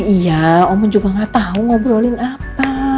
iya om juga nggak tahu ngobrolin apa